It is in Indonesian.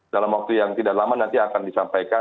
dalam waktu yang tidak lama nanti akan disampaikan